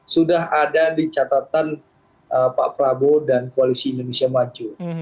sudah ada di catatan pak prabowo dan koalisi indonesia maju